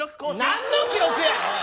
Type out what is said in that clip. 何の記録やおい！